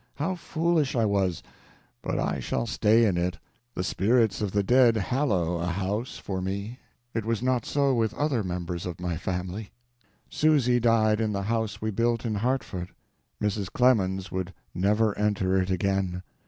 How foolish I was! But I shall stay in it. The spirits of the dead hallow a house, for me. It was not so with other members of my family. Susy died in the house we built in Hartford. Mrs. Clemens would never enter it again.